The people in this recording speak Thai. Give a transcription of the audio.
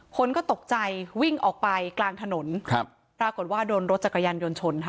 คนก็ตกใจวิ่งออกไปกลางถนนครับปรากฏว่าโดนรถจักรยานยนต์ชนค่ะ